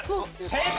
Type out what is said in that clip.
正解！